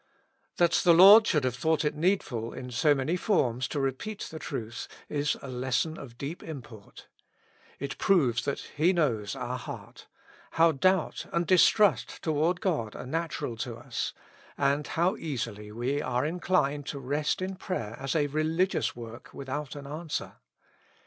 That the Lord should have thought it needful in so many forms to repeat the truth, is a lesson of deep import. It proves that He knows our heart, how doubt and distrust toward God are natural to us, and how easily we are inclined to rest in prayer as a reli gious work without an answer.